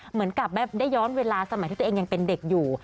เหมือนกับได้ย้อนเวลาสมัยที่ตัวเองยังเป็นเด็กอยู่